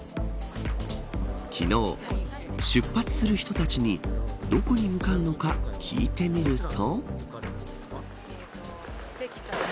昨日、出発する人たちにどこに向かうのか聞いてみると。